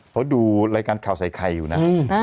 เขาดูรายการข่าวใส่ไข่อยู่นะ